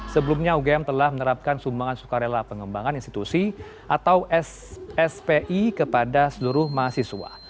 sebelumnya ugm telah menerapkan sumbangan sukarela pengembangan institusi atau spi kepada seluruh mahasiswa